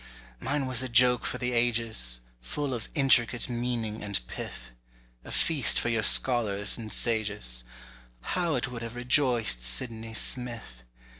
mine was a joke for the ages; Full of intricate meaning and pith; A feast for your scholars and sages— How it would have rejoiced Sidney Smith!